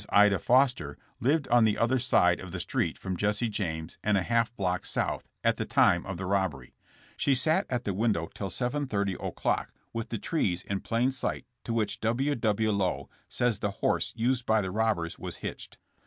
Ida Foster lived on the other sid* of the street from Jesse James and a half block south, at the time of the robbery. She sat at the window till 7:30 o'clock with the trees in plain sight to which W. W. Lowe says the horse used by the robbers was hitched.